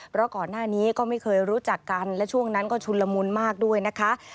เพราะก่อนหน้านี้ก็ไม่เคยรู้จักกันและช่วงนั้นก็ชุนละมุนมากด้วยนะคะ